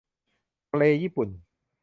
ทะเลญี่ปุ่น